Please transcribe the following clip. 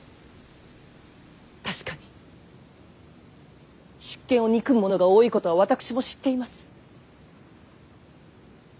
確かに執権を憎む者が多いことは私も知っています。